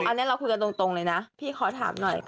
อันนี้เราคุยกันตรงเลยนะพี่ขอถามหน่อย